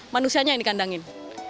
manusianya yang dikandangin